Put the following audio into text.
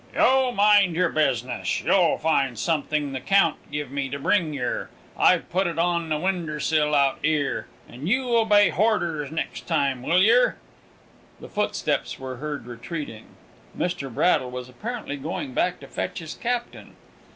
"You mind your business! You'll find something the Count give me to bring yer; I've put it on the winder sill out 'ere. And you obey horders next time, will yer?" The footsteps were heard retreating. Mr. Braddle was apparently going back to fetch his captain.